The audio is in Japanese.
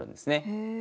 へえ。